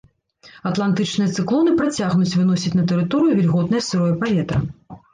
Атлантычныя цыклоны працягнуць выносіць на тэрыторыю вільготнае сырое паветра.